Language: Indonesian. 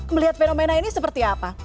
melihat fenomena ini seperti apa